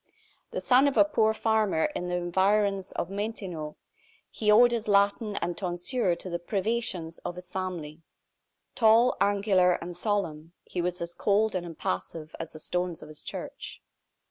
The son of a poor farmer in the environs of Montaignac, he owed his Latin and tonsure to the privations of his family. Tall, angular, and solemn, he was as cold and impassive as the stones of his church.